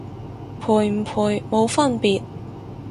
賠唔賠冇分別